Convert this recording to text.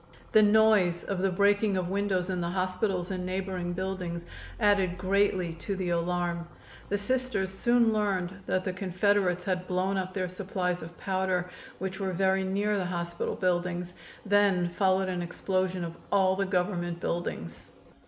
The noise of the breaking of windows in the hospitals and neighboring buildings added greatly to the alarm. The Sisters soon learned that the Confederates had blown up their supplies of powder which were very near the hospital buildings; then followed an explosion of all the Government buildings.